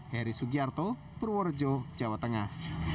heri sugiarto purworejo jawa tengah